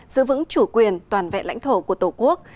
giữ vững chủ quyền toàn vẹn lãnh thổ của tổ quốc